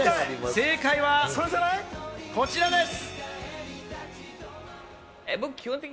正解はこちらです。